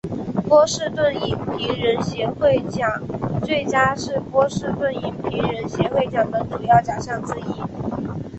波士顿影评人协会奖最佳是波士顿影评人协会奖的主要奖项之一。